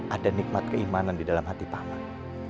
ada nikmat keimanan di dalam hati paman